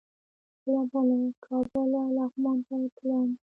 کله به له کابله لغمان ته تللم.